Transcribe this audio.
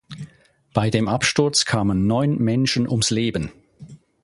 Bei dem Absturz kamen neun Menschen ums Leben.